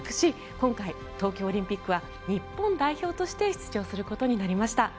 今回、東京オリンピックは日本代表として出場することになりました。